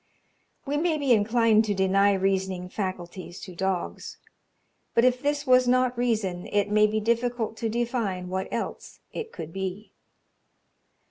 We may be inclined to deny reasoning faculties to dogs; but if this was not reason, it may be difficult to define what else it could be.